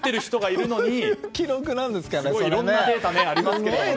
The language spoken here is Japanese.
いろんなデータがありますけど。